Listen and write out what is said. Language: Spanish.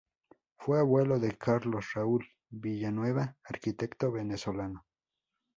Fue abuelo de Carlos Raúl Villanueva, arquitecto venezolano.